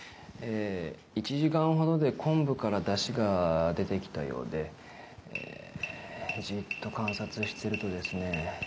え１時間ほどで昆布からダシが出てきたようでえじっと観察してるとですね